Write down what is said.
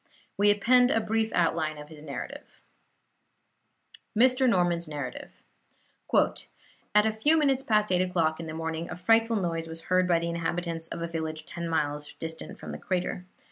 We append a brief outline of his narrative: MR. NORMAN'S NARRATIVE "At a few minutes past 8 o'clock in the morning a frightful noise was heard by the inhabitants of a village ten miles distant from the crater.